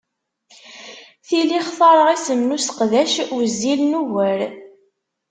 Tili xtareɣ isem useqdac wezzilen ugar.